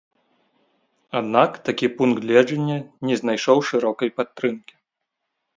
Аднак такі пункт гледжання не знайшоў шырокай падтрымкі.